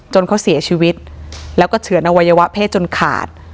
เขาเสียชีวิตแล้วก็เฉือนอวัยวะเพศจนขาด